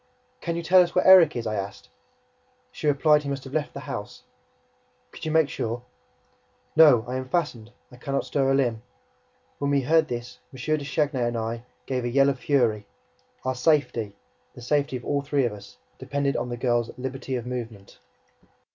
"Can you tell us where Erik is?" I asked. She replied that he must have left the house. "Could you make sure?" "No. I am fastened. I can not stir a limb." When we heard this, M. de Chagny and I gave a yell of fury. Our safety, the safety of all three of us, depended on the girl's liberty of movement.